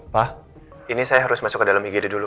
pak ini saya harus masuk ke dalam igd dulu